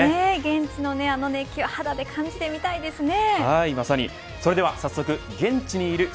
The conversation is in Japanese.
現地の熱気を肌で感じてみたいですね。